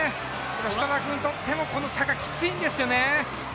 設楽君にとっても、この坂はきついんですよね。